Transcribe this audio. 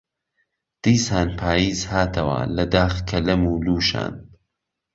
دیسان پاییز هاتهوه له داخ کهلهم و لووشان